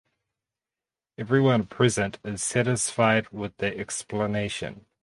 Everyone present is satisfied with the explanation.